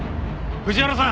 藤原さん！